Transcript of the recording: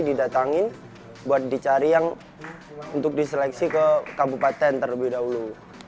didatangin buat dicari yang untuk diseleksi ke kabupaten terlebih dahulu